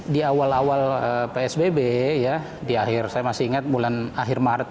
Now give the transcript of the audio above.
di awal awal psbb ya di akhir saya masih ingat bulan akhir maret